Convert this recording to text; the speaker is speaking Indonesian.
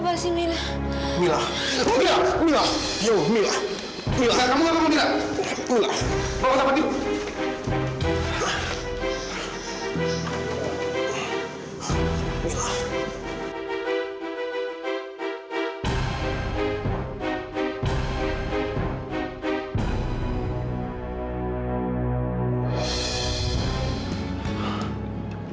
perek menu ini bukan